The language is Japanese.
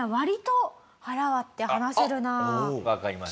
わかります。